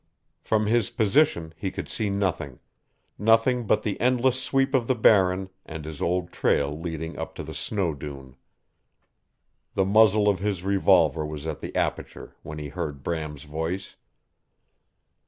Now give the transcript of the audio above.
From his position he could see nothing nothing but the endless sweep of the Barren and his old trail leading up to the snow dune. The muzzle of his revolver was at the aperture when he heard Bram's voice.